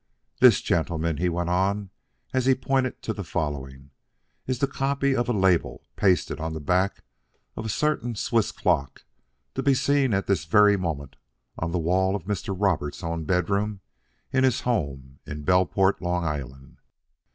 "This, gentlemen," he went on, as he pointed to the following, "is the copy of a label pasted on the back of a certain Swiss clock to be seen at this very moment on the wall of Mr. Roberts' own bedroom in his home in Belport, Long Island.